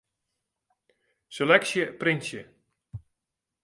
Seleksje printsje.